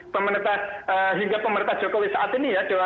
pemerintah hingga pemerintah jokowi saat ini ya